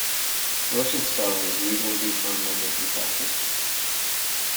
Russian spelling is reasonably phonemic in practice.